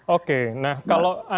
oke nah kalau anda